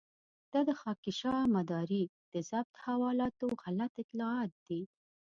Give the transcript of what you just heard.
دا د خاکيشاه مداري د ضبط حوالاتو غلط اطلاعات دي.